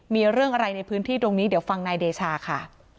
มีเรื่องอะไรในพื้นที่ตรงนี้เดี๋ยวฟังนายเดชาค่ะ